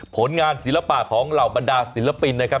ผลงานศิลปะของเหล่าบรรดาศิลปินนะครับ